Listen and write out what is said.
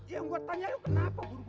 ya gue tanya lo kenapa